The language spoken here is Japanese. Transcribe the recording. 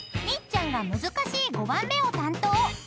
［みっちゃんが難しい５番目を担当］